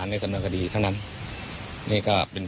นี้เป็นอย่างที่เลือก่างก็ได้